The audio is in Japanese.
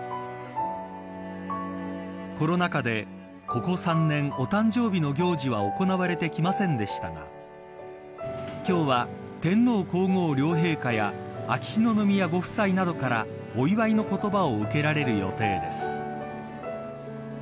コロナ禍で、ここ３年お誕生日の行事は行われてきませんでしたが今日は、天皇皇后両陛下や秋篠宮ご夫妻などからお祝いの言葉を受けられる予定です。